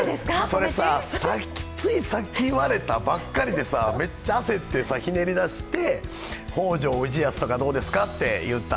それさ、ついさっき言われたばっかりでさ、めっちゃ焦って、ひねり出して、北条氏康とかどうですかと。